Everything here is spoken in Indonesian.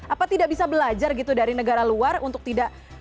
apa tidak bisa belajar gitu dari negara luar untuk tidak